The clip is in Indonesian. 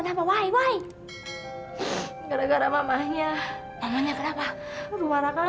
nanti makan dulu